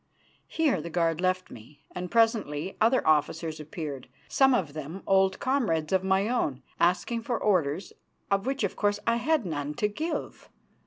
Here the guard left me, and presently other officers appeared, some of them old comrades of my own, asking for orders, of which, of course, I had none to give.